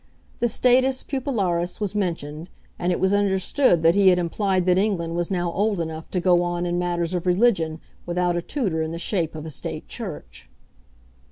The status pupillaris was mentioned, and it was understood that he had implied that England was now old enough to go on in matters of religion without a tutor in the shape of a State Church.